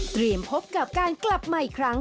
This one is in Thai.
เตรียมพบกับการกลับมาอีกครั้ง